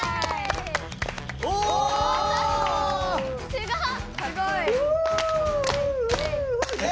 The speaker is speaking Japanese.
すごっ！